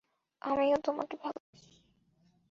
আমিও তোমাকে ভালোবাসি!